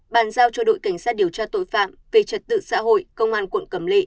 bàn giao cho đội cảnh sát điều tra tội phạm về trật tự xã hội công an quận cẩm lệ